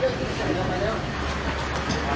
รอบรักษาไปกันมาก